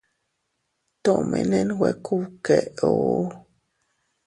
Tomene nwe kubkéʼuu.